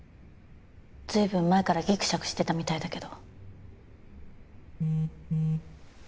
随分前からギクシャクしてたみたいだけど。